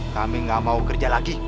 kami gak mau kerja lagi